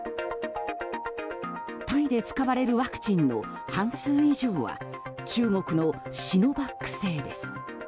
タイで使われるワクチンの半数以上は中国のシノバック製です。